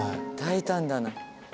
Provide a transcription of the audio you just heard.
大胆だな。